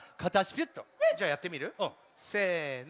じゃあやってみる？せの。